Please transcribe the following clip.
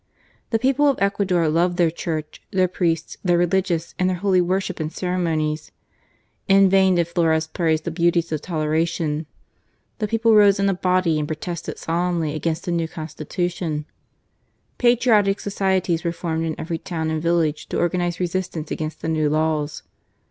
The people of Ecuador loved their Church, their priests, their religious, and their holy worship and cere monies. In vain did Flores praise the beauties of toleration. The people rose in a body and protested solemnly against the new Constitution. Patriotic FLORES, 21 societies were formed in every town and village to organize resistance against the new laws.